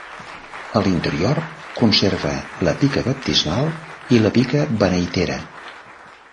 A l'interior conserva la pica baptismal i la pica beneitera.